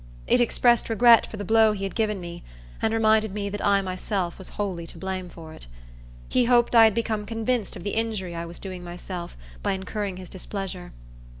It expressed regret for the blow he had given me, and reminded me that I myself was wholly to blame for it. He hoped I had become convinced of the injury I was doing myself by incurring his displeasure.